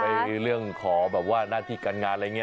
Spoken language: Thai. ไปเรื่องขอหน้าที่การงานอะไรอย่างนี้